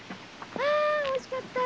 あおいしかった。